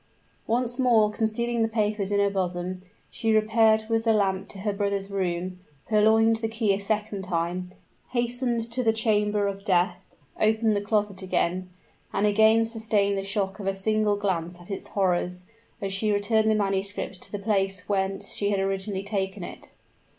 Once more concealing the papers in her bosom, she repaired with the lamp to her brother's room purloined the key a second time hastened to the chamber of death opened the closet again and again sustained the shock of a single glance at its horrors, as she returned the manuscript to the place whence she had originally taken it.